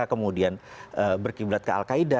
kemudian berkiblat ke al qaeda